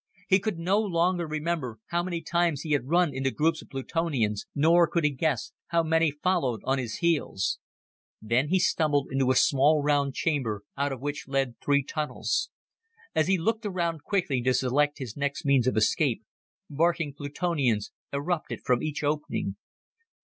He could no longer remember how many times he had run into groups of Plutonians, nor could he guess how many followed on his heels. Then he stumbled into a small, round chamber out of which led three tunnels. As he looked around quickly to select his next means of escape, barking Plutonians erupted from each opening.